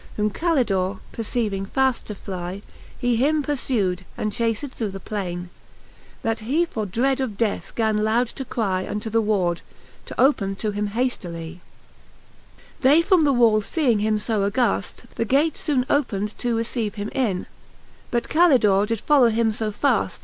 Whom Call dor e perceiving fafl to flie, He him purfu'd and chaced through the plaine, That he for dread of death gan loude to crie Unto the ward, to open to him haftilie. XXIIL They from the wall him feeing fb aghafl^ The gate fbone opened to receive him in J But Calidore did follow him fb faft.